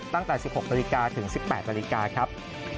ตั้งแต่๑๖นถึง๑๘นครับ